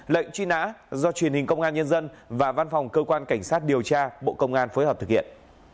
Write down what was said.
lệnh truy nã do truyền hình công an nhân dân và văn phòng cơ quan cảnh sát điều tra bộ công an phối hợp thực hiện